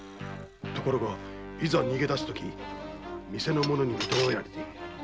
ところがいざ逃げ出すとき店の者に見咎められて。